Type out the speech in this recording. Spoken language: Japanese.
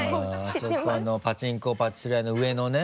あそこのパチンコ・パチスロ屋の上のね。